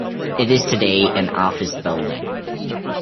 It is today an office building.